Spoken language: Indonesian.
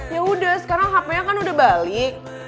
ya udah sekarang handphonenya kan udah balik